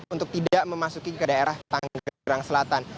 untuk tidak memasuki ke daerah tanggerang selatan